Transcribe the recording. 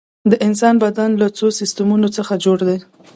د انسان بدن له څو سیستمونو څخه جوړ دی